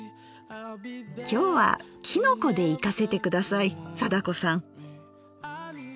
今日はきのこでいかせて下さい貞子さん！